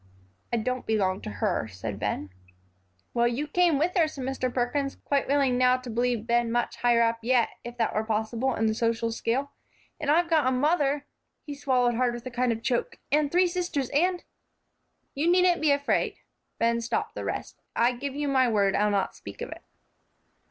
"I don't belong to her," said Ben. "Well, you came with her," said Mr. Perkins, quite willing now to believe Ben much higher up yet, if that were possible, in the social scale. "And I've got a mother," he swallowed hard with a kind of choke, "and three sisters, and " "You needn't be afraid," Ben stopped the rest; "I give you my word I'll not speak of it."